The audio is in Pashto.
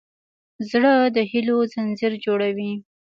زړه د هيلو ځنځیر جوړوي.